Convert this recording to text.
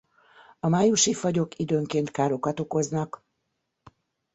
A májusi fagyok időnként károkat okoznak.